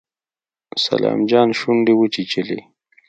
سلام جان شونډې وچيچلې.